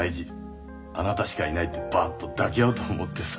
「あなたしかいない」ってバッと抱き合うと思ってさ。